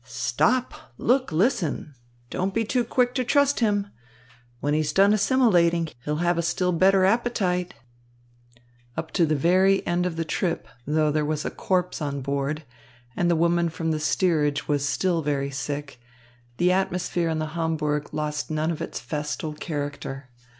Stop, look, listen! Don't be too quick to trust him. When he's done assimilating, he'll have a still better appetite." Up to the very end of the trip, though there was a corpse on board and the woman from the steerage was still very sick, the atmosphere on the Hamburg lost none of its festal character.